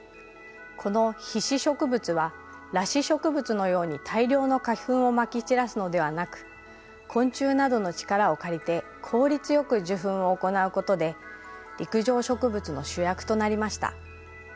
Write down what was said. この被子植物は裸子植物のように大量の花粉をまき散らすのではなく昆虫などの力を借りて効率よく受粉を行うことで陸上植物の主役となりました。